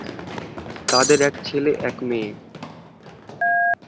তাদের এক ছেলে এক মেয়ে।